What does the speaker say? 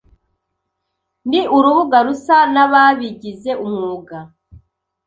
Ni urubuga rusa nababigize umwuga.